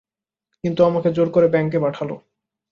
কিন্তু ও আমাকে জোর করে ব্যাংকে পাঠালো।